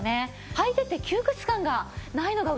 履いてて窮屈感がないのが嬉しいです。